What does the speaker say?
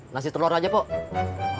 nasi telur aja pok